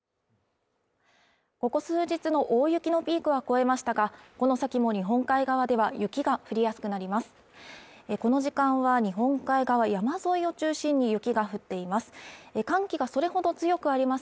ここ数日の大雪のピークは越えましたがこの先も日本海側では雪が降りやすくなります